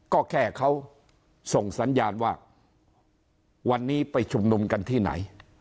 ก็แค่เขาส่งสัญญาณว่าวันนี้ไปชุมนุมกันที่ไหน